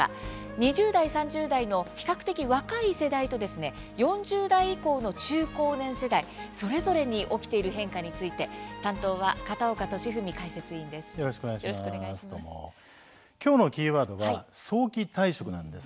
２０代３０代の比較的若い世代と４０代以降の中高年世代それぞれに起きている変化について担当は片岡利文解説委員です。